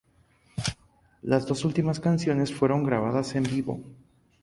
Las dos últimas canciones fueron grabadas en vivo.